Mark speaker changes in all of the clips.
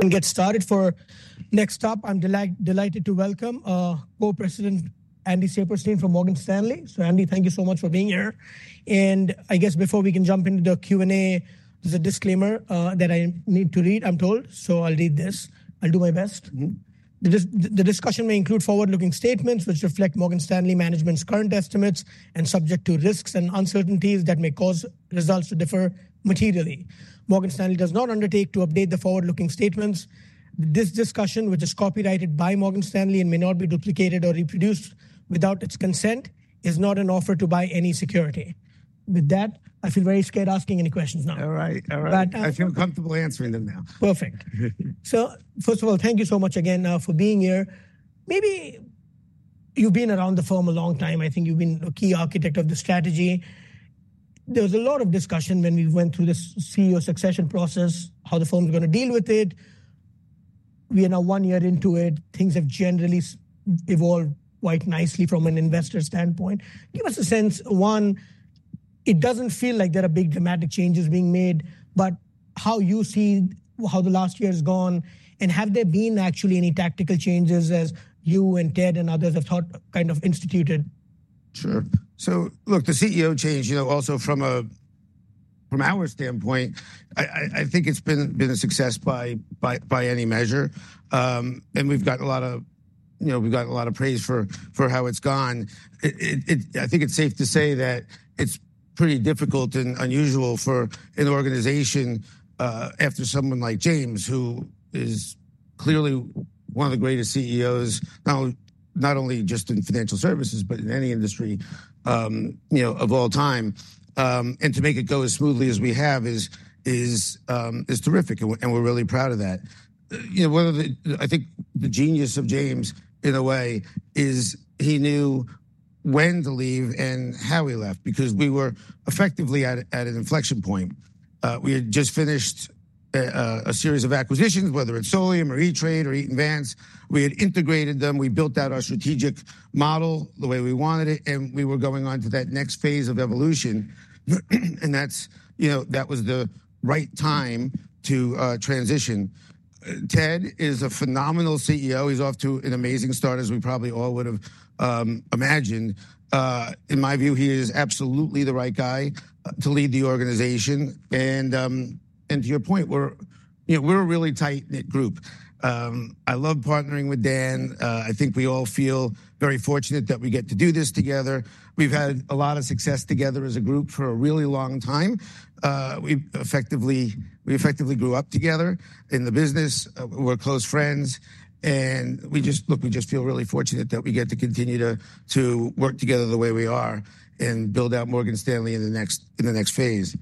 Speaker 1: And get started. For next stop, I'm delighted to welcome Co-President Andy Saperstein from Morgan Stanley. So, Andy, thank you so much for being here. And I guess before we can jump into the Q&A, there's a disclaimer that I need to read, I'm told, so I'll read this. I'll do my best. The discussion may include forward-looking statements which reflect Morgan Stanley management's current estimates and subject to risks and uncertainties that may cause results to differ materially. Morgan Stanley does not undertake to update the forward-looking statements. This discussion, which is copyrighted by Morgan Stanley and may not be duplicated or reproduced without its consent, is not an offer to buy any security. With that, I feel very scared asking any questions now.
Speaker 2: All right. All right. I feel comfortable answering them now.
Speaker 1: Perfect. So, first of all, thank you so much again for being here. Maybe you've been around the firm a long time. I think you've been a key architect of the strategy. There was a lot of discussion when we went through the CEO succession process, how the firm's going to deal with it. We are now one year into it. Things have generally evolved quite nicely from an investor standpoint. Give us a sense, one, it doesn't feel like there are big dramatic changes being made, but how you see how the last year has gone, and have there been actually any tactical changes, as you and Ted and others have thought kind of instituted?
Speaker 2: Sure. So, look, the CEO change, you know, also from our standpoint, I think it's been a success by any measure. And we've got a lot of, you know, we've got a lot of praise for how it's gone. I think it's safe to say that it's pretty difficult and unusual for an organization after someone like James, who is clearly one of the greatest CEOs, not only just in financial services, but in any industry, you know, of all time. And to make it go as smoothly as we have is terrific, and we're really proud of that. You know, one of the, I think the genius of James, in a way, is he knew when to leave and how he left, because we were effectively at an inflection point. We had just finished a series of acquisitions, whether it's Solium or E-Trade or Eaton Vance. We had integrated them. We built out our strategic model the way we wanted it, and we were going on to that next phase of evolution. And that's, you know, that was the right time to transition. Ted is a phenomenal CEO. He's off to an amazing start, as we probably all would have imagined. In my view, he is absolutely the right guy to lead the organization. And to your point, we're a really tight-knit group. I love partnering with Dan. I think we all feel very fortunate that we get to do this together. We've had a lot of success together as a group for a really long time. We effectively grew up together in the business. We're close friends. We just, look, we just feel really fortunate that we get to continue to work together the way we are and build out Morgan Stanley in the next phase.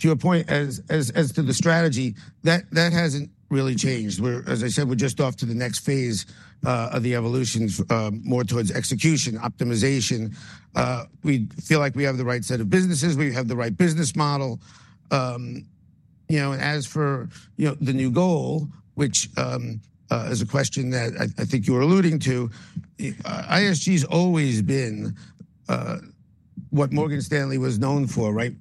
Speaker 2: To your point, as to the strategy, that hasn't really changed. As I said, we're just off to the next phase of the evolution, more towards execution, optimization. We feel like we have the right set of businesses. We have the right business model. You know, and as for the new goal, which is a question that I think you were alluding to, ISG has always been what Morgan Stanley was known for right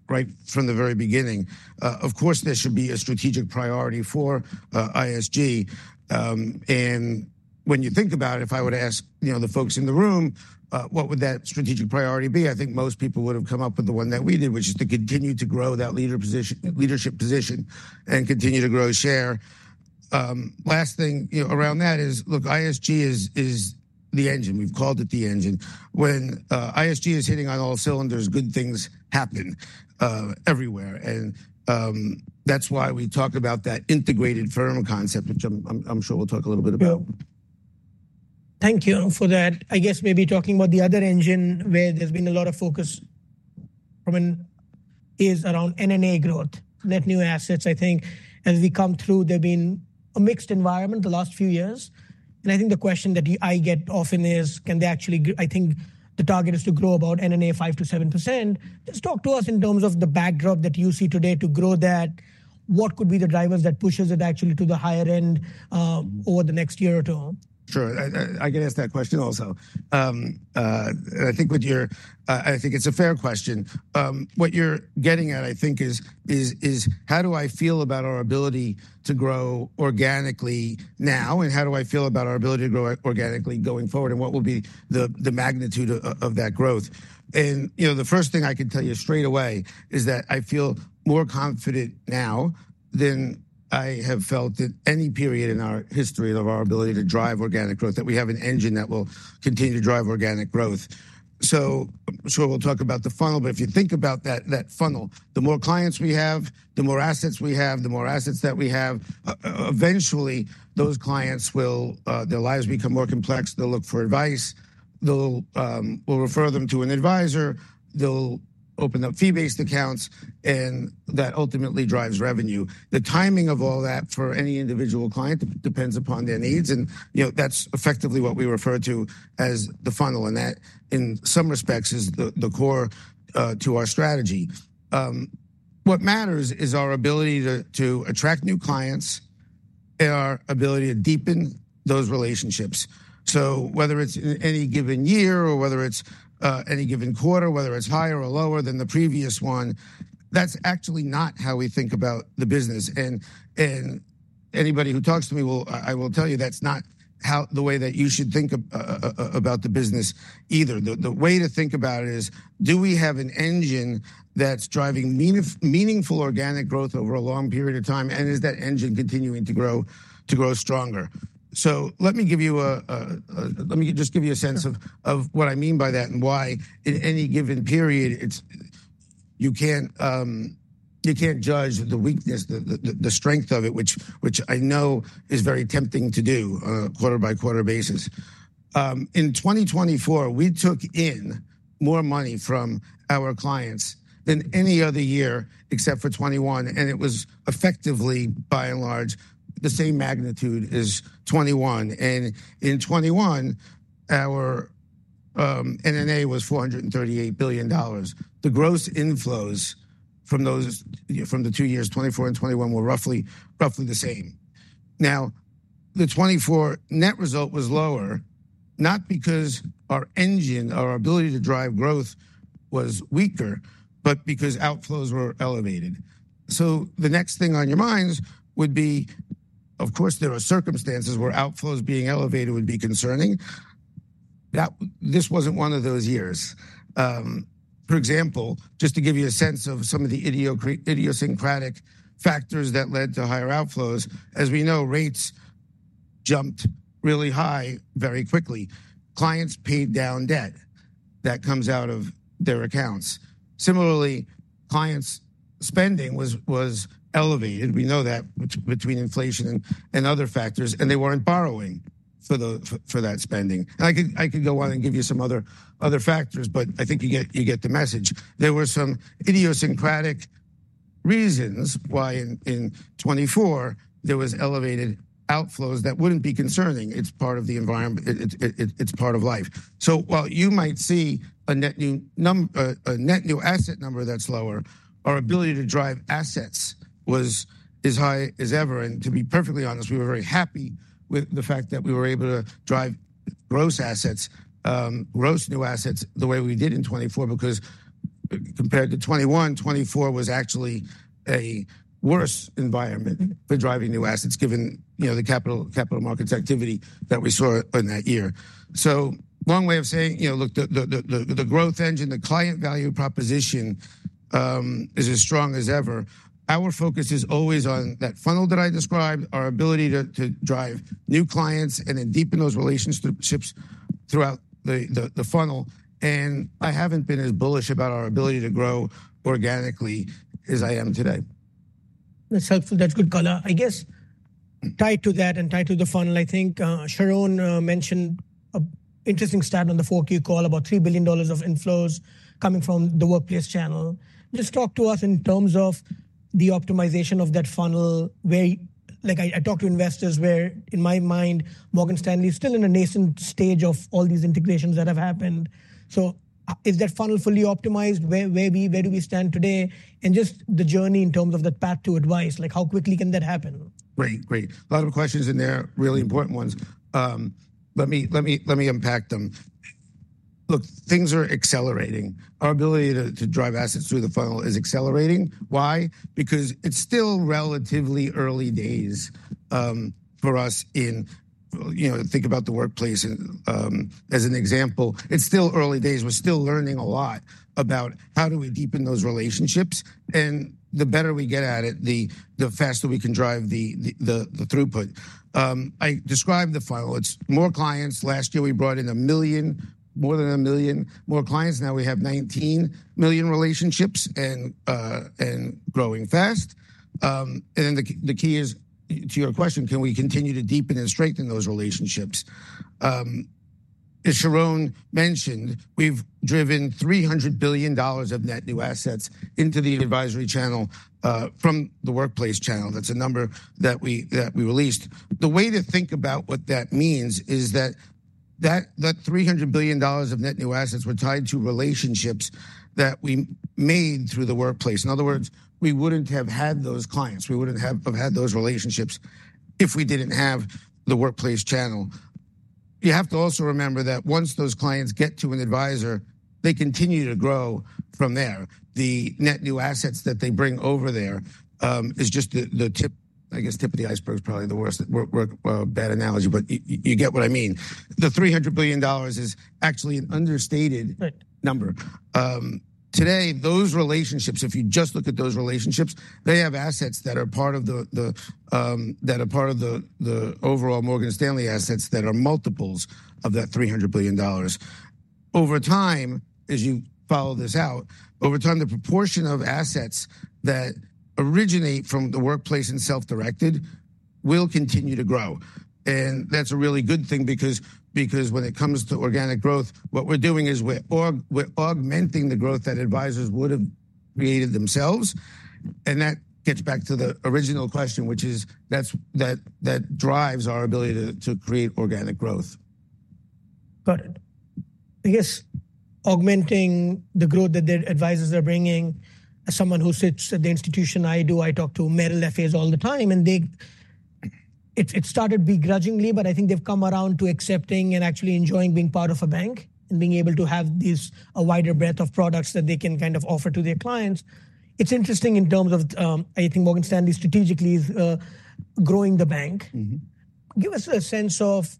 Speaker 2: from the very beginning. Of course, there should be a strategic priority for ISG. And when you think about it, if I were to ask the folks in the room, what would that strategic priority be? I think most people would have come up with the one that we did, which is to continue to grow that leadership position and continue to grow share. Last thing around that is, look, ISG is the engine. We've called it the engine. When ISG is hitting on all cylinders, good things happen everywhere. And that's why we talk about that integrated firm concept, which I'm sure we'll talk a little bit about.
Speaker 1: Thank you for that. I guess maybe talking about the other engine where there's been a lot of focus from an ISG around NNA growth, net new assets. I think as we come through, there've been a mixed environment the last few years. And I think the question that I get often is, can they actually, I think the target is to grow about NNA 5%-7%. Just talk to us in terms of the backdrop that you see today to grow that. What could be the drivers that pushes it actually to the higher end over the next year or two?
Speaker 2: Sure. I can ask that question also. I think it's a fair question. What you're getting at, I think, is how do I feel about our ability to grow organically now, and how do I feel about our ability to grow organically going forward, and what will be the magnitude of that growth? You know, the first thing I can tell you straight away is that I feel more confident now than I have felt at any period in our history of our ability to drive organic growth, that we have an engine that will continue to drive organic growth. I'm sure we'll talk about the funnel, but if you think about that funnel, the more clients we have, the more assets we have, the more assets that we have, eventually those clients will, their lives become more complex. They'll look for advice. They'll refer them to an advisor. They'll open up fee-based accounts, and that ultimately drives revenue. The timing of all that for any individual client depends upon their needs. And, you know, that's effectively what we refer to as the funnel. And that, in some respects, is the core to our strategy. What matters is our ability to attract new clients and our ability to deepen those relationships. So whether it's in any given year or whether it's any given quarter, whether it's higher or lower than the previous one, that's actually not how we think about the business. And anybody who talks to me will, I will tell you, that's not the way that you should think about the business either. The way to think about it is, do we have an engine that's driving meaningful organic growth over a long period of time, and is that engine continuing to grow stronger? So let me give you, let me just give you a sense of what I mean by that and why in any given period, you can't judge the weakness, the strength of it, which I know is very tempting to do on a quarter-by-quarter basis. In 2024, we took in more money from our clients than any other year, except for 2021. And it was effectively, by and large, the same magnitude as 2021. And in 2021, our NNA was $438 billion. The gross inflows from the two years, 2024 and 2021, were roughly the same. Now, the 2024 net result was lower, not because our engine, our ability to drive growth was weaker, but because outflows were elevated. So the next thing on your minds would be, of course, there are circumstances where outflows being elevated would be concerning. This wasn't one of those years. For example, just to give you a sense of some of the idiosyncratic factors that led to higher outflows, as we know, rates jumped really high very quickly. Clients paid down debt that comes out of their accounts. Similarly, clients' spending was elevated. We know that between inflation and other factors, and they weren't borrowing for that spending. I could go on and give you some other factors, but I think you get the message. There were some idiosyncratic reasons why in 2024 there were elevated outflows that wouldn't be concerning. It's part of the environment. It's part of life. So while you might see a net new asset number that's lower, our ability to drive assets was as high as ever. To be perfectly honest, we were very happy with the fact that we were able to drive gross assets, gross new assets the way we did in 2024, because compared to 2021, 2024 was actually a worse environment for driving new assets, given the capital markets activity that we saw in that year. So, long way of saying, you know, look, the growth engine, the client value proposition is as strong as ever. Our focus is always on that funnel that I described, our ability to drive new clients and then deepen those relationships throughout the funnel. I haven't been as bullish about our ability to grow organically as I am today.
Speaker 1: That's hopeful. That's good color. I guess tied to that and tied to the funnel, I think Sharon mentioned an interesting stat on the fourth-quarter call about $3 billion of inflows coming from the workplace channel. Just talk to us in terms of the optimization of that funnel, where I talk to investors where, in my mind, Morgan Stanley is still in a nascent stage of all these integrations that have happened. So is that funnel fully optimized? Where do we stand today? And just the journey in terms of the path to advice, like how quickly can that happen?
Speaker 2: Great, great. A lot of questions in there, really important ones. Let me unpack them. Look, things are accelerating. Our ability to drive assets through the funnel is accelerating. Why? Because it's still relatively early days for us in, you know, think about the workplace as an example. It's still early days. We're still learning a lot about how do we deepen those relationships. And the better we get at it, the faster we can drive the throughput. I described the funnel. It's more clients. Last year, we brought in a million, more than a million more clients. Now we have 19 million relationships and growing fast. And then the key is, to your question, can we continue to deepen and strengthen those relationships? As Sharon mentioned, we've driven $300 billion of net new assets into the advisory channel from the workplace channel. That's a number that we released. The way to think about what that means is that that $300 billion of net new assets were tied to relationships that we made through the workplace. In other words, we wouldn't have had those clients. We wouldn't have had those relationships if we didn't have the workplace channel. You have to also remember that once those clients get to an advisor, they continue to grow from there. The net new assets that they bring over there is just the tip. I guess tip of the iceberg is probably the worst bad analogy, but you get what I mean. The $300 billion is actually an understated number. Today, those relationships, if you just look at those relationships, they have assets that are part of the overall Morgan Stanley assets that are multiples of that $300 billion. Over time, as you follow this out, over time, the proportion of assets that originate from the workplace and self-directed will continue to grow. And that's a really good thing because when it comes to organic growth, what we're doing is we're augmenting the growth that advisors would have created themselves. And that gets back to the original question, which is that drives our ability to create organic growth.
Speaker 1: Got it. I guess augmenting the growth that the advisors are bringing, as someone who sits at the institution, I do. I talk to Merrill advisors all the time. And it started begrudgingly, but I think they've come around to accepting and actually enjoying being part of a bank and being able to have a wider breadth of products that they can kind of offer to their clients. It's interesting in terms of, I think Morgan Stanley strategically is growing the bank. Give us a sense of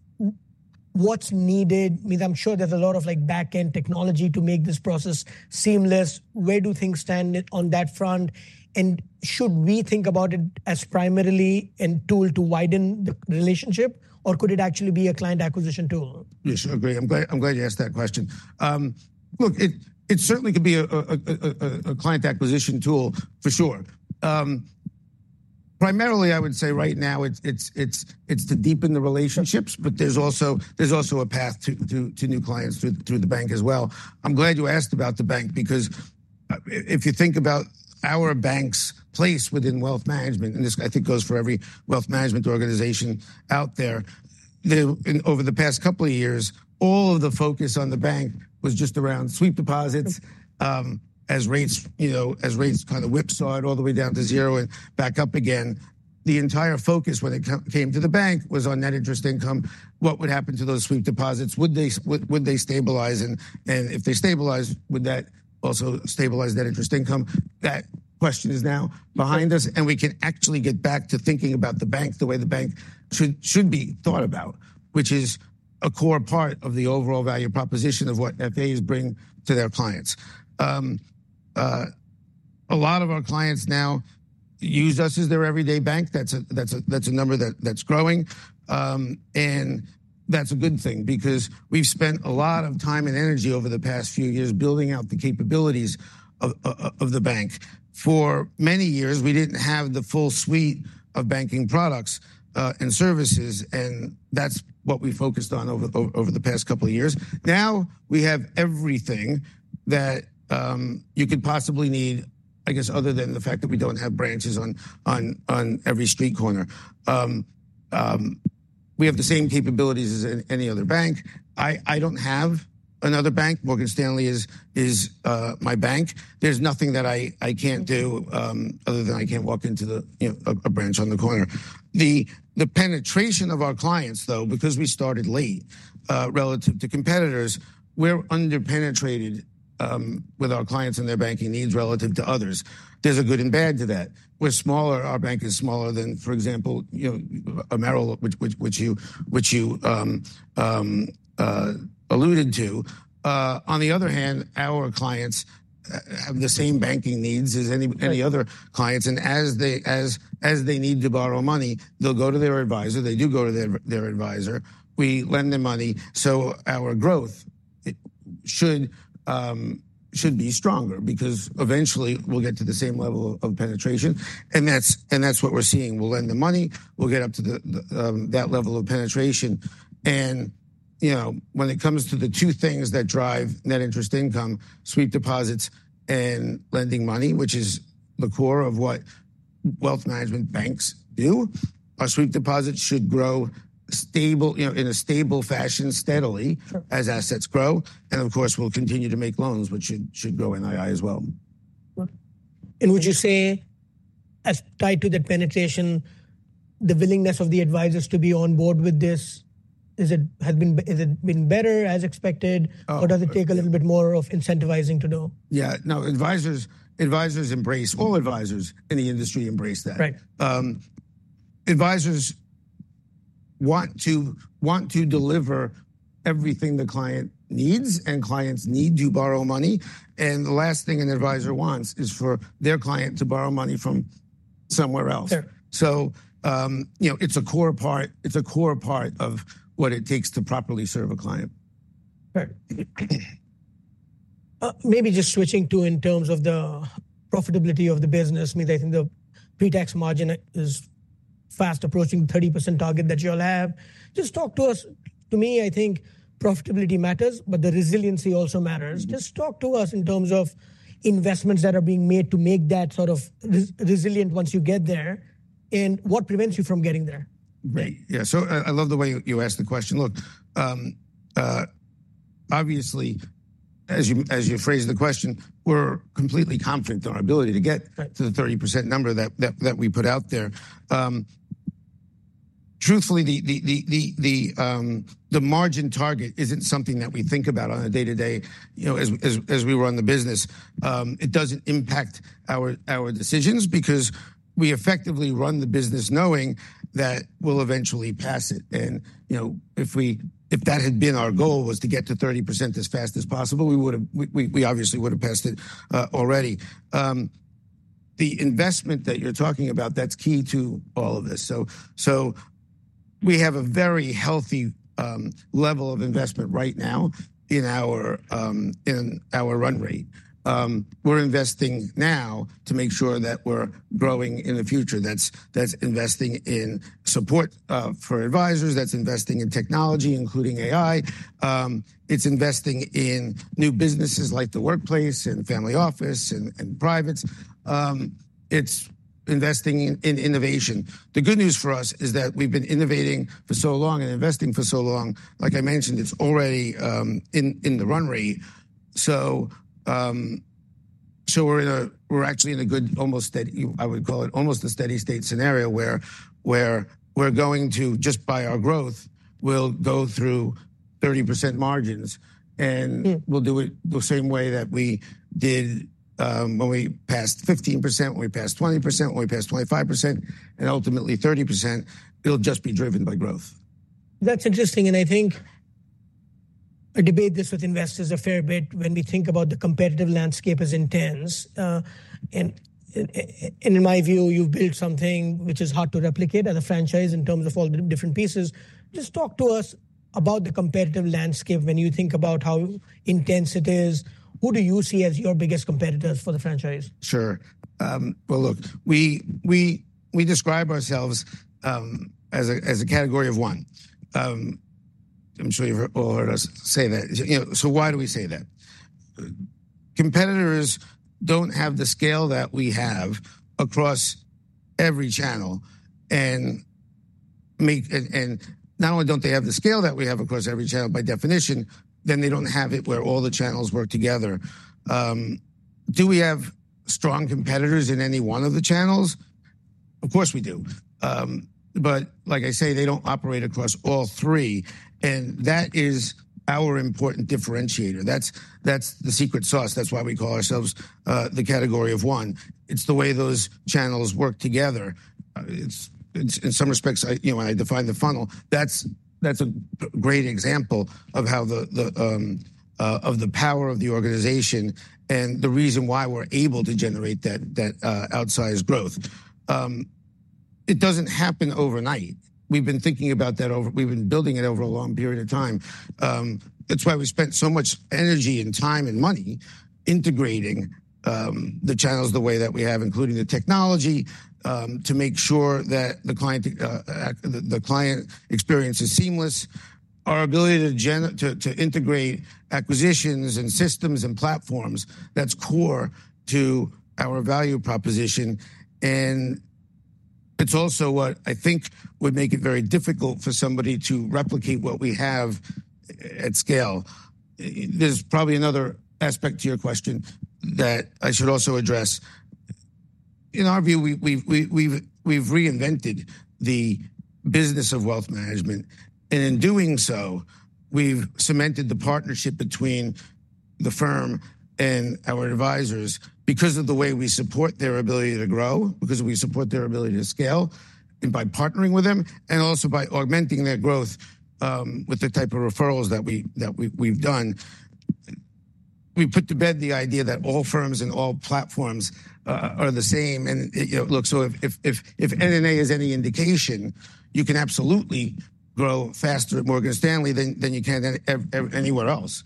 Speaker 1: what's needed. I mean, I'm sure there's a lot of back-end technology to make this process seamless. Where do things stand on that front? And should we think about it as primarily a tool to widen the relationship, or could it actually be a client acquisition tool?
Speaker 2: Yes, I agree. I'm glad you asked that question. Look, it certainly could be a client acquisition tool, for sure. Primarily, I would say right now, it's to deepen the relationships, but there's also a path to new clients through the bank as well. I'm glad you asked about the bank because if you think about our bank's place within wealth management, and this I think goes for every wealth management organization out there, over the past couple of years, all of the focus on the bank was just around sweep deposits as rates kind of whipsawed all the way down to zero and back up again. The entire focus when it came to the bank was on net interest income. What would happen to those sweep deposits? Would they stabilize? And if they stabilize, would that also stabilize net interest income? That question is now behind us. And we can actually get back to thinking about the bank the way the bank should be thought about, which is a core part of the overall value proposition of what FAs bring to their clients. A lot of our clients now use us as their everyday bank. That's a number that's growing. And that's a good thing because we've spent a lot of time and energy over the past few years building out the capabilities of the bank. For many years, we didn't have the full suite of banking products and services, and that's what we focused on over the past couple of years. Now we have everything that you could possibly need, I guess, other than the fact that we don't have branches on every street corner. We have the same capabilities as any other bank. I don't have another bank. Morgan Stanley is my bank. There's nothing that I can't do other than I can't walk into a branch on the corner. The penetration of our clients, though, because we started late relative to competitors, we're underpenetrated with our clients and their banking needs relative to others. There's a good and bad to that. We're smaller. Our bank is smaller than, for example, Merrill, which you alluded to. On the other hand, our clients have the same banking needs as any other clients. And as they need to borrow money, they'll go to their advisor. They do go to their advisor. We lend them money. So our growth should be stronger because eventually we'll get to the same level of penetration. And that's what we're seeing. We'll lend them money. We'll get up to that level of penetration. And when it comes to the two things that drive net interest income, sweep deposits and lending money, which is the core of what wealth management banks do, our sweep deposits should grow in a stable fashion, steadily as assets grow. And of course, we'll continue to make loans, which should grow in line as well.
Speaker 1: Would you say, tied to that penetration, the willingness of the advisors to be on board with this, has it been better as expected? Or does it take a little bit more of incentivizing to know?
Speaker 2: Yeah. No, advisors embrace, all advisors in the industry embrace that. Advisors want to deliver everything the client needs, and clients need to borrow money. And the last thing an advisor wants is for their client to borrow money from somewhere else. So it's a core part of what it takes to properly serve a client.
Speaker 1: Maybe just switching to, in terms of the profitability of the business, I mean, I think the pre-tax margin is fast approaching the 30% target that you'll have. Just talk to us. To me, I think profitability matters, but the resiliency also matters. Just talk to us in terms of investments that are being made to make that sort of resilient once you get there. And what prevents you from getting there?
Speaker 2: Right. Yeah. So I love the way you asked the question. Look, obviously, as you phrased the question, we're completely confident in our ability to get to the 30% number that we put out there. Truthfully, the margin target isn't something that we think about on a day-to-day as we run the business. It doesn't impact our decisions because we effectively run the business knowing that we'll eventually pass it. And if that had been our goal was to get to 30% as fast as possible, we obviously would have passed it already. The investment that you're talking about, that's key to all of this. So we have a very healthy level of investment right now in our run rate. We're investing now to make sure that we're growing in the future. That's investing in support for advisors. That's investing in technology, including AI. It's investing in new businesses like the workplace and family office and privates. It's investing in innovation. The good news for us is that we've been innovating for so long and investing for so long. Like I mentioned, it's already in the run rate. So we're actually in a good, almost, I would call it almost a steady state scenario where we're going to, just by our growth, we'll go through 30% margins, and we'll do it the same way that we did when we passed 15%, when we passed 20%, when we passed 25%, and ultimately 30%. It'll just be driven by growth.
Speaker 1: That's interesting, and I think I debate this with investors a fair bit when we think about the competitive landscape as intense, and in my view, you've built something which is hard to replicate as a franchise in terms of all the different pieces. Just talk to us about the competitive landscape when you think about how intense it is? Who do you see as your biggest competitors for the franchise?
Speaker 2: Sure. Well, look, we describe ourselves as a category of one. I'm sure you've all heard us say that. So why do we say that? Competitors don't have the scale that we have across every channel. And not only don't they have the scale that we have across every channel by definition, then they don't have it where all the channels work together. Do we have strong competitors in any one of the channels? Of course we do. But like I say, they don't operate across all three. And that is our important differentiator. That's the secret sauce. That's why we call ourselves the category of one. It's the way those channels work together. In some respects, when I define the funnel, that's a great example of the power of the organization and the reason why we're able to generate that outsized growth. It doesn't happen overnight. We've been thinking about that. We've been building it over a long period of time. That's why we spent so much energy and time and money integrating the channels the way that we have, including the technology to make sure that the client experience is seamless. Our ability to integrate acquisitions and systems and platforms, that's core to our value proposition. And it's also what I think would make it very difficult for somebody to replicate what we have at scale. There's probably another aspect to your question that I should also address. In our view, we've reinvented the business of wealth management. And in doing so, we've cemented the partnership between the firm and our advisors because of the way we support their ability to grow, because we support their ability to scale, and by partnering with them, and also by augmenting their growth with the type of referrals that we've done. We put to bed the idea that all firms and all platforms are the same. And look, so if NNA is any indication, you can absolutely grow faster at Morgan Stanley than you can anywhere else.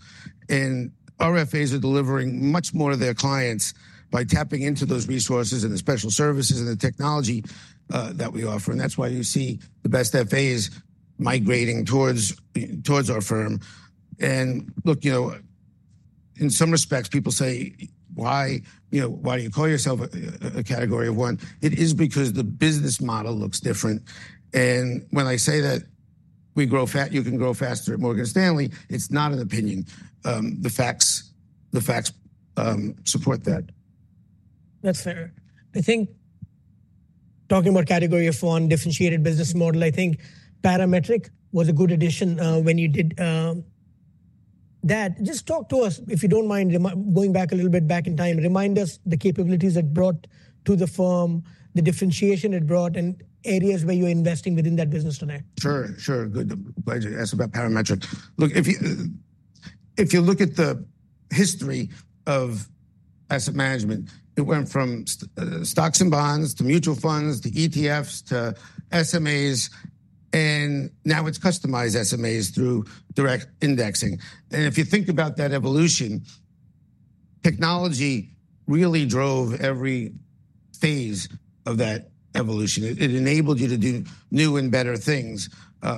Speaker 2: And our FAs are delivering much more to their clients by tapping into those resources and the special services and the technology that we offer. And that's why you see the best FAs migrating towards our firm. And look, in some respects, people say, "Why do you call yourself a category of one?" It is because the business model looks different. When I say that we grow, you can grow faster at Morgan Stanley, it's not an opinion. The facts support that.
Speaker 1: That's fair. I think talking about category of one, differentiated business model, I think Parametric was a good addition when you did that. Just talk to us, if you don't mind, going back a little bit back in time, remind us the capabilities it brought to the firm, the differentiation it brought, and areas where you're investing within that business today.
Speaker 2: Sure, sure. Good. Pleasure to ask about Parametric. Look, if you look at the history of asset management, it went from stocks and bonds to mutual funds to ETFs to SMAs, and now it's customized SMAs through direct indexing. And if you think about that evolution, technology really drove every phase of that evolution. It enabled you to do new and better things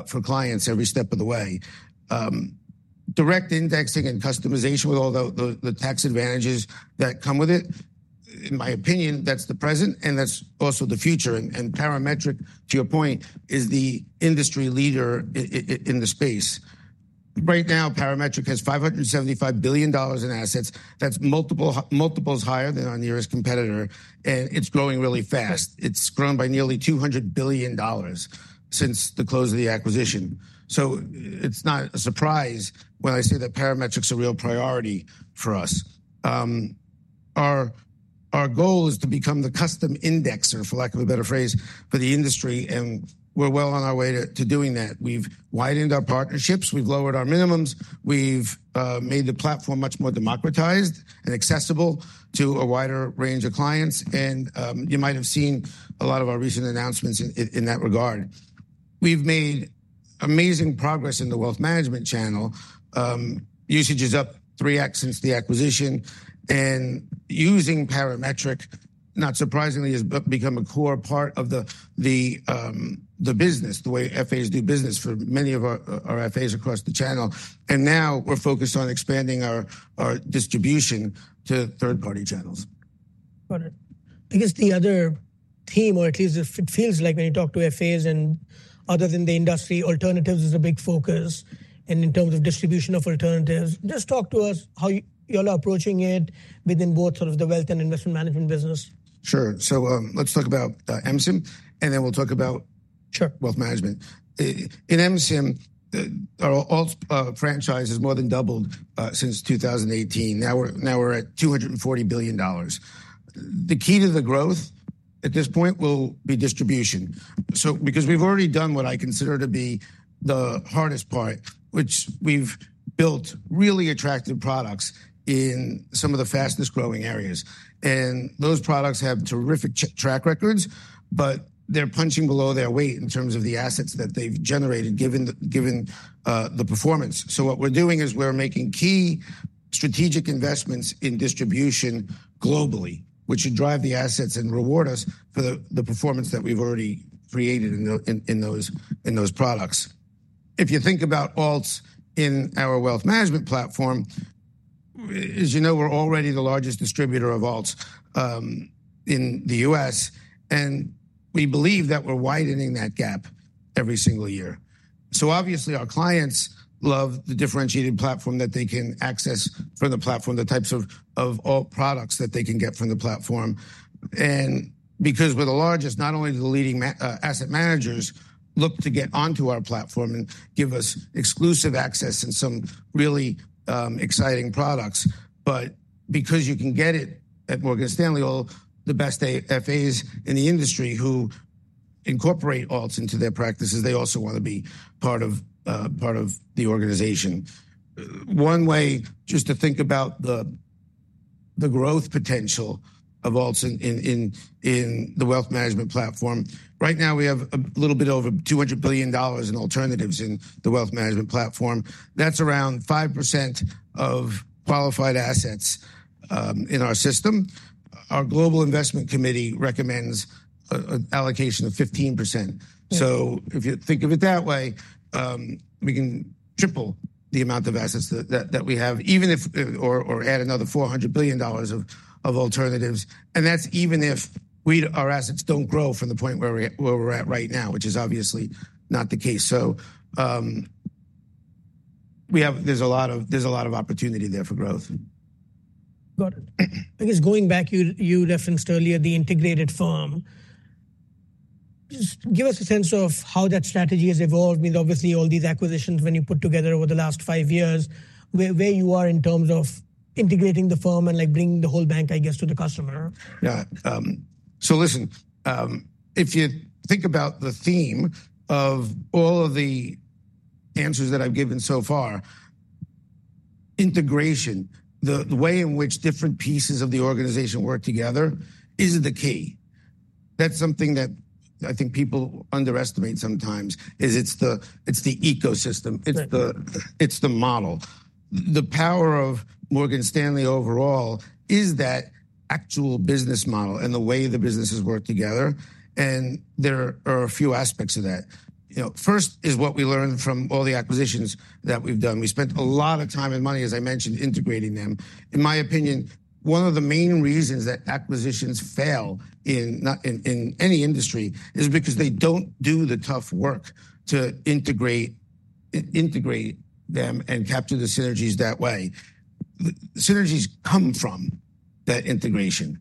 Speaker 2: for clients every step of the way. Direct indexing and customization with all the tax advantages that come with it, in my opinion, that's the present and that's also the future, and Parametric, to your point, is the industry leader in the space. Right now, Parametric has $575 billion in assets. That's multiples higher than our nearest competitor, and it's growing really fast. It's grown by nearly $200 billion since the close of the acquisition. It's not a surprise when I say that Parametric are a real priority for us. Our goal is to become the custom indexer, for lack of a better phrase, for the industry. We're well on our way to doing that. We've widened our partnerships. We've lowered our minimums. We've made the platform much more democratized and accessible to a wider range of clients. You might have seen a lot of our recent announcements in that regard. We've made amazing progress in the wealth management channel. Usage is up 3x since the acquisition. Using Parametric, not surprisingly, has become a core part of the business, the way FAs do business for many of our FAs across the channel. Now we're focused on expanding our distribution to third-party channels.
Speaker 1: Got it. I guess the other team, or at least it feels like when you talk to FAs and other than the industry, alternatives is a big focus in terms of distribution of alternatives. Just talk to us how you're approaching it within both sort of the wealth and investment management business.
Speaker 2: Sure. So let's talk about MSIM, and then we'll talk about wealth management. In MSIM, our franchise has more than doubled since 2018. Now we're at $240 billion. The key to the growth at this point will be distribution. So because we've already done what I consider to be the hardest part, which we've built really attractive products in some of the fastest growing areas, and those products have terrific track records, but they're punching below their weight in terms of the assets that they've generated given the performance, so what we're doing is we're making key strategic investments in distribution globally, which should drive the assets and reward us for the performance that we've already created in those products. If you think about Alts in our wealth management platform, as you know, we're already the largest distributor of Alts in the U.S. And we believe that we're widening that gap every single year. So obviously, our clients love the differentiated platform that they can access from the platform, the types of products that they can get from the platform. And because we're the largest, not only do the leading asset managers look to get onto our platform and give us exclusive access and some really exciting products, but because you can get it at Morgan Stanley, all the best FAs in the industry who incorporate Alts into their practices, they also want to be part of the organization. One way just to think about the growth potential of Alts in the wealth management platform, right now we have a little bit over $200 billion in alternatives in the wealth management platform. That's around 5% of qualified assets in our system. Our Global Investment Committee recommends an allocation of 15%. So if you think of it that way, we can triple the amount of assets that we have, even if, or add another $400 billion of alternatives. And that's even if our assets don't grow from the point where we're at right now, which is obviously not the case. So there's a lot of opportunity there for growth.
Speaker 1: Got it. I guess going back, you referenced earlier the integrated firm. Just give us a sense of how that strategy has evolved with obviously all these acquisitions when you put together over the last five years, where you are in terms of integrating the firm and bringing the whole bank, I guess, to the customer?
Speaker 2: Yeah. So listen, if you think about the theme of all of the answers that I've given so far, integration, the way in which different pieces of the organization work together is the key. That's something that I think people underestimate sometimes is it's the ecosystem. It's the model. The power of Morgan Stanley overall is that actual business model and the way the businesses work together. And there are a few aspects of that. First is what we learned from all the acquisitions that we've done. We spent a lot of time and money, as I mentioned, integrating them. In my opinion, one of the main reasons that acquisitions fail in any industry is because they don't do the tough work to integrate them and capture the synergies that way. Synergies come from that integration.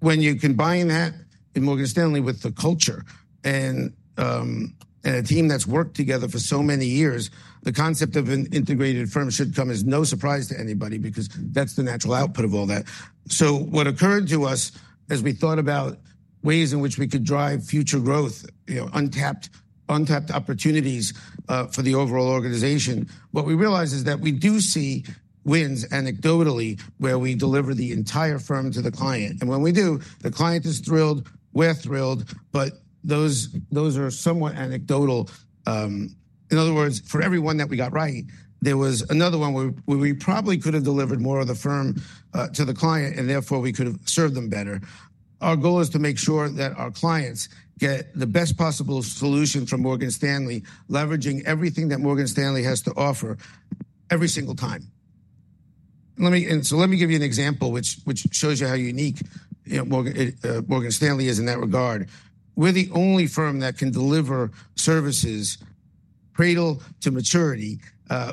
Speaker 2: When you combine that in Morgan Stanley with the culture and a team that's worked together for so many years, the concept of an integrated firm should come as no surprise to anybody because that's the natural output of all that. So what occurred to us as we thought about ways in which we could drive future growth, untapped opportunities for the overall organization, what we realized is that we do see wins anecdotally where we deliver the entire firm to the client. And when we do, the client is thrilled, we're thrilled, but those are somewhat anecdotal. In other words, for every one that we got right, there was another one where we probably could have delivered more of the firm to the client and therefore we could have served them better. Our goal is to make sure that our clients get the best possible solution from Morgan Stanley, leveraging everything that Morgan Stanley has to offer every single time, and so let me give you an example which shows you how unique Morgan Stanley is in that regard. We're the only firm that can deliver services cradle to maturity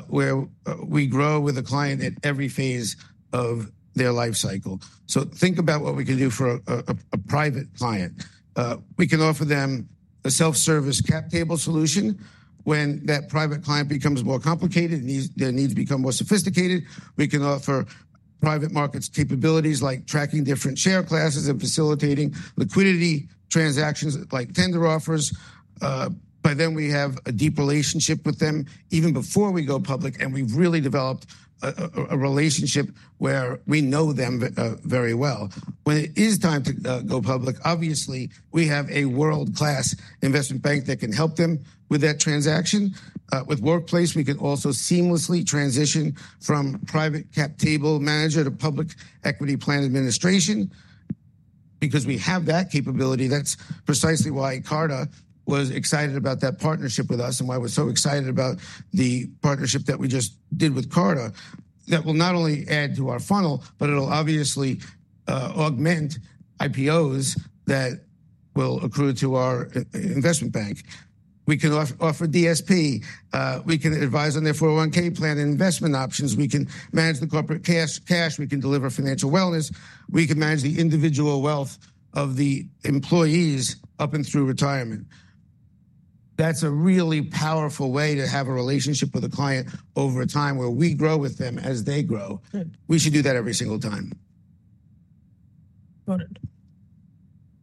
Speaker 2: where we grow with a client at every phase of their life cycle. So think about what we can do for a private client. We can offer them a self-service cap table solution. When that private client becomes more complicated and their needs become more sophisticated, we can offer private markets capabilities like tracking different share classes and facilitating liquidity transactions like tender offers. By then we have a deep relationship with them even before we go public, and we've really developed a relationship where we know them very well. When it is time to go public, obviously we have a world-class investment bank that can help them with that transaction. With Workplace, we can also seamlessly transition from private cap table manager to public equity plan administration because we have that capability. That's precisely why Carta was excited about that partnership with us and why we're so excited about the partnership that we just did with Carta that will not only add to our funnel, but it'll obviously augment IPOs that will accrue to our investment bank. We can offer DSP. We can advise on their 401(k) plan and investment options. We can manage the corporate cash. We can deliver financial wellness. We can manage the individual wealth of the employees up and through retirement. That's a really powerful way to have a relationship with a client over time where we grow with them as they grow. We should do that every single time.
Speaker 1: Got it.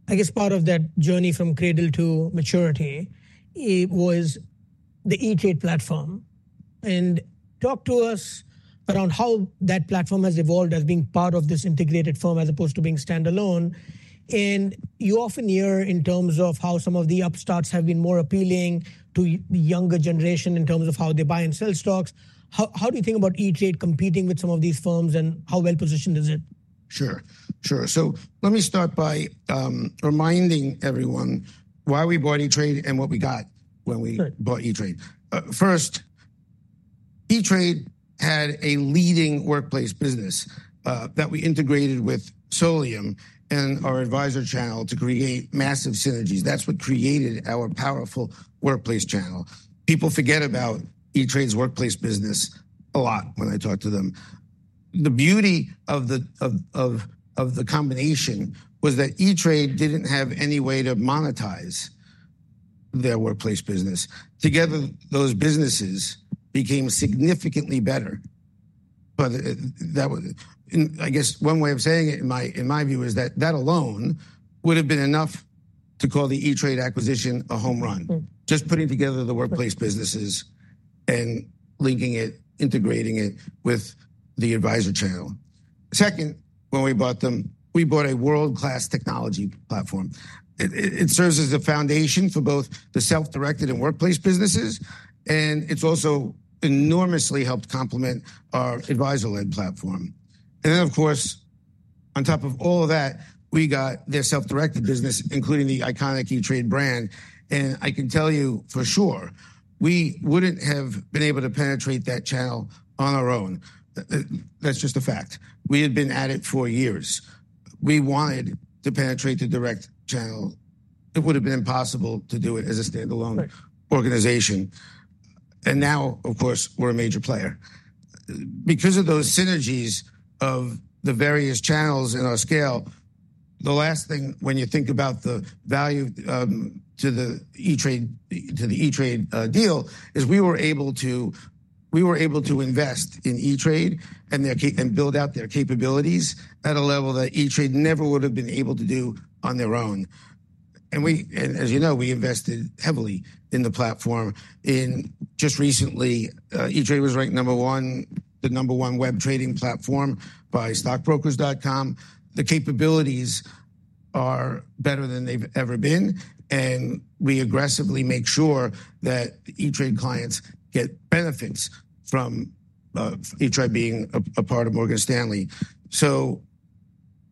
Speaker 1: I guess part of that journey from cradle to maturity was the E-Trade platform. Talk to us around how that platform has evolved as being part of this integrated firm as opposed to being standalone. You often hear in terms of how some of the upstarts have been more appealing to the younger generation in terms of how they buy and sell stocks. How do you think about E-Trade competing with some of these firms and how well positioned is it?
Speaker 2: Sure. Sure. So let me start by reminding everyone why we bought E-Trade and what we got when we bought E-Trade. First, E-Trade had a leading workplace business that we integrated with Solium and our advisor channel to create massive synergies. That's what created our powerful workplace channel. People forget about E-Trade's workplace business a lot when I talk to them. The beauty of the combination was that E-Trade didn't have any way to monetize their workplace business. Together, those businesses became significantly better. I guess one way of saying it, in my view, is that that alone would have been enough to call the E-Trade acquisition a home run, just putting together the workplace businesses and linking it, integrating it with the advisor channel. Second, when we bought them, we bought a world-class technology platform. It serves as the foundation for both the self-directed and workplace businesses. And it's also enormously helped complement our advisor-led platform. And then, of course, on top of all of that, we got their self-directed business, including the iconic E-Trade brand. And I can tell you for sure, we wouldn't have been able to penetrate that channel on our own. That's just a fact. We had been at it for years. We wanted to penetrate the direct channel. It would have been impossible to do it as a standalone organization. And now, of course, we're a major player. Because of those synergies of the various channels in our scale, the last thing when you think about the value to the E-Trade deal is we were able to invest in E-Trade and build out their capabilities at a level that E-Trade never would have been able to do on their own. And as you know, we invested heavily in the platform. Just recently, E-Trade was ranked number one, the number one web trading platform by StockBrokers.com. The capabilities are better than they've ever been. And we aggressively make sure that E-Trade clients get benefits from E-Trade being a part of Morgan Stanley. So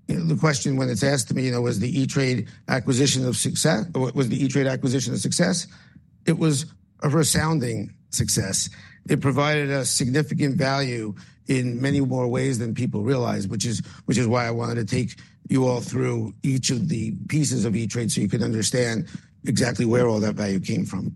Speaker 2: the question when it's asked to me was the E-Trade acquisition of success, was the E-Trade acquisition a success? It was a resounding success. It provided us significant value in many more ways than people realize, which is why I wanted to take you all through each of the pieces of E-Trade so you can understand exactly where all that value came from.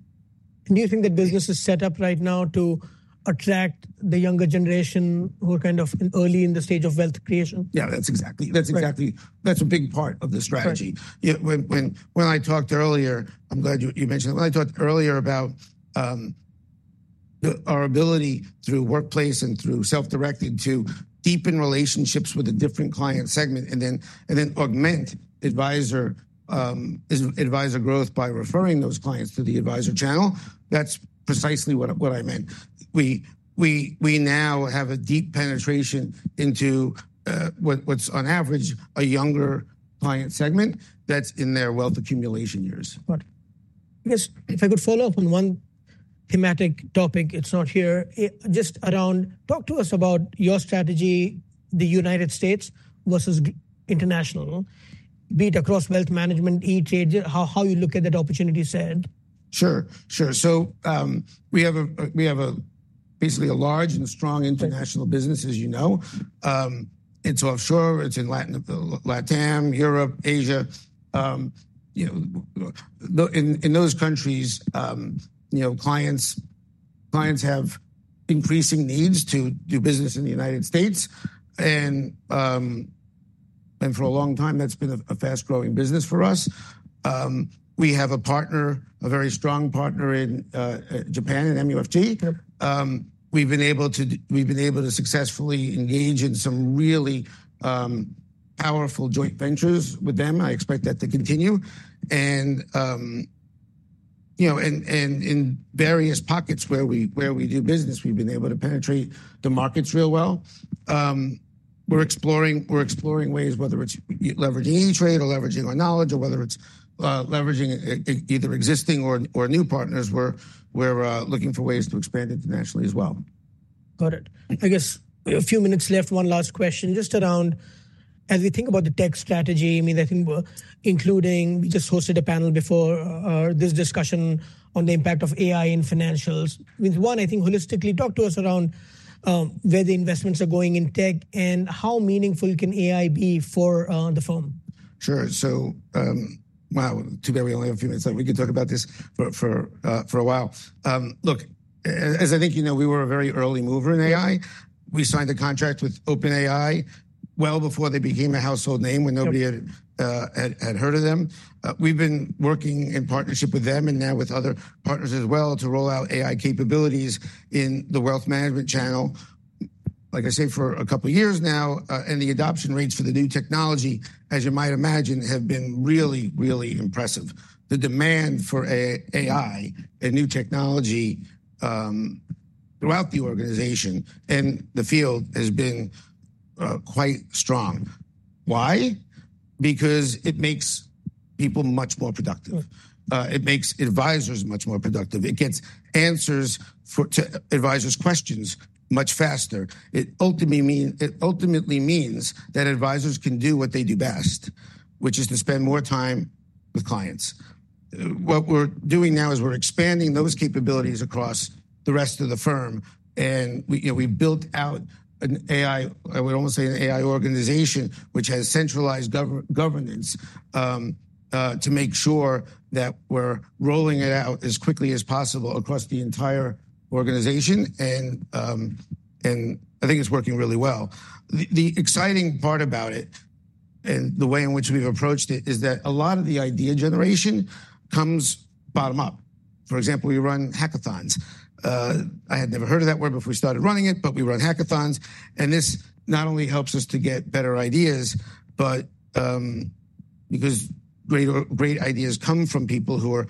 Speaker 1: Do you think the business is set up right now to attract the younger generation who are kind of early in the stage of wealth creation?
Speaker 2: Yeah, that's exactly. That's a big part of the strategy. When I talked earlier, I'm glad you mentioned it. When I talked earlier about our ability through Workplace and through Self-Directed to deepen relationships with a different client segment and then augment advisor growth by referring those clients to the advisor channel, that's precisely what I meant. We now have a deep penetration into what's on average a younger client segment that's in their wealth accumulation years.
Speaker 1: Got it. I guess if I could follow up on one thematic topic. It's not here, just around talk to us about your strategy, the United States versus international, be it across wealth management, E-Trade, how you look at that opportunity, Sid.
Speaker 2: Sure. Sure. So we have basically a large and strong international business, as you know. It's offshore. It's in LATAM, Europe, Asia. In those countries, clients have increasing needs to do business in the United States. And for a long time, that's been a fast-growing business for us. We have a partner, a very strong partner in Japan, in MUFG. We've been able to successfully engage in some really powerful joint ventures with them. I expect that to continue. And in various pockets where we do business, we've been able to penetrate the markets real well. We're exploring ways, whether it's leveraging E-Trade or leveraging our knowledge or whether it's leveraging either existing or new partners. We're looking for ways to expand internationally as well.
Speaker 1: Got it. I guess we have a few minutes left. One last question just around, as we think about the tech strategy, I mean, including we just hosted a panel before this discussion on the impact of AI in financials. I mean, one, I think holistically, talk to us around where the investments are going in tech and how meaningful can AI be for the firm?
Speaker 2: Sure. So, wow, too bad we only have a few minutes left. We could talk about this for a while. Look, as I think you know, we were a very early mover in AI. We signed a contract with OpenAI well before they became a household name when nobody had heard of them. We've been working in partnership with them and now with other partners as well to roll out AI capabilities in the wealth management channel, like I say, for a couple of years now. And the adoption rates for the new technology, as you might imagine, have been really, really impressive. The demand for AI and new technology throughout the organization and the field has been quite strong. Why? Because it makes people much more productive. It makes advisors much more productive. It gets answers to advisors' questions much faster. It ultimately means that advisors can do what they do best, which is to spend more time with clients. What we're doing now is, we're expanding those capabilities across the rest of the firm, and we built out an AI, I would almost say an AI organization, which has centralized governance to make sure that we're rolling it out as quickly as possible across the entire organization, and I think it's working really well. The exciting part about it and the way in which we've approached it is that a lot of the idea generation comes bottom up. For example, we run hackathons. I had never heard of that word before we started running it, but we run hackathons. And this not only helps us to get better ideas, but because great ideas come from people who are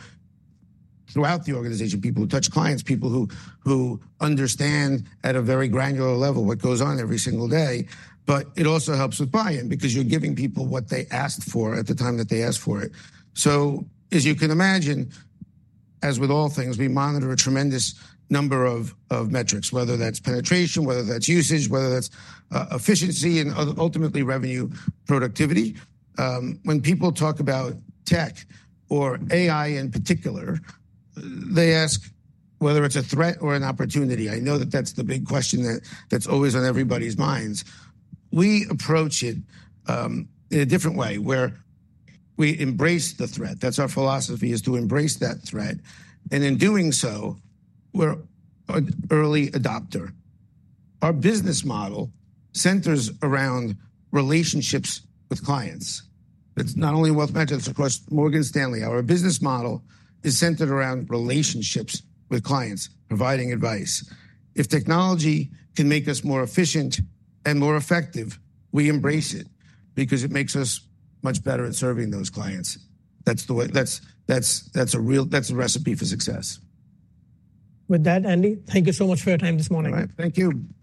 Speaker 2: throughout the organization, people who touch clients, people who understand at a very granular level what goes on every single day, but it also helps with buy-in because you're giving people what they asked for at the time that they asked for it, so, as you can imagine, as with all things, we monitor a tremendous number of metrics, whether that's penetration, whether that's usage, whether that's efficiency, and ultimately revenue productivity. When people talk about tech or AI in particular, they ask whether it's a threat or an opportunity. I know that that's the big question that's always on everybody's minds. We approach it in a different way where we embrace the threat. That's our philosophy is to embrace that threat, and in doing so, we're an early adopter. Our business model centers around relationships with clients. It's not only wealth management. It's across Morgan Stanley. Our business model is centered around relationships with clients, providing advice. If technology can make us more efficient and more effective, we embrace it because it makes us much better at serving those clients. That's a recipe for success.
Speaker 1: With that, Andy, thank you so much for your time this morning.
Speaker 2: All right. Thank you.